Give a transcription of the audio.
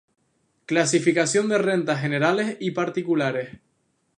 Clasificación de rentas generales y particulares.